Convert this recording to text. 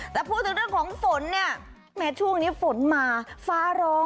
แต่พูดถึงเรื่องของฝนเนี่ยแม้ช่วงนี้ฝนมาฟ้าร้อง